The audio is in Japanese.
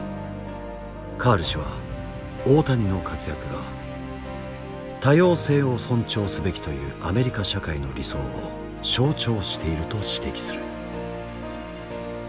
カール氏は大谷の活躍が多様性を尊重すべきというアメリカ社会の理想を象徴していると指摘する。